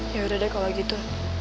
ya udah deh kalau gitu